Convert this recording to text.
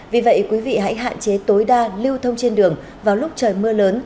vì vậy quý vị hãy hạn chế tối đa lưu thông trên đường vào lúc trời mưa lớn